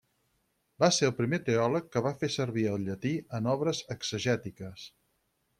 Va ser el primer teòleg que va fer servir el llatí en obres exegètiques.